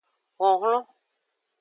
Honhlon.